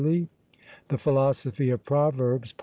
138. THE PHILOSOPHY OF PROVERBS.